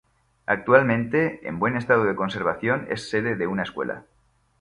Actualmente, en buen estado de conservación, es sede de una escuela.